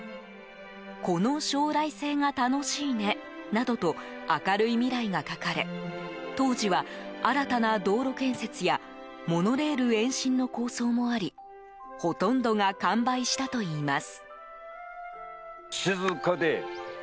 「この将来性が楽しいね」などと明るい未来が書かれ当時は、新たな道路建設やモノレール延伸の構想もありほとんどが完売したといいます。